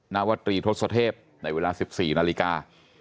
นาวตรีทศเทพในเวลา๑๔นาฬิกา